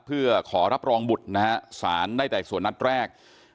เพื่อขอรับรองบุตรนะฮะสารได้แต่ส่วนนัดแรก